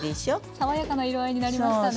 爽やかな色合いになりましたね。